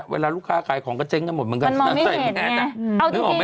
เวลาลูกค้ากายของก็เจ๊งกันหมดมันก็ใส่แม้นอ่ะนึกออกไหมล่ะมันมองไม่เห็นไง